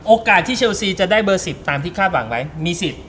โอกาสที่เชลซีจะได้เบอร์๑๐ตามที่คาดหวังไว้มีสิทธิ์